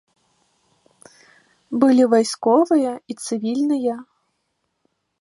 Былі вайсковыя і цывільныя.